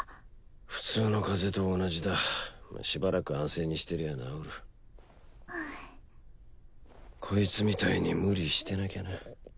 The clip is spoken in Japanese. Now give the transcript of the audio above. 普通の風邪と同じだしばらく安静にしてりゃ治るこいつみたいに無理してなきゃな